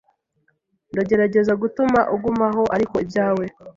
Ndagerageza gutuma ugumaho Ariko ibyawe ...